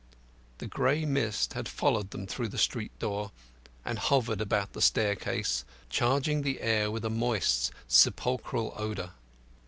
The grey mist had followed them through the street door, and hovered about the staircase, charging the air with a moist sepulchral odour.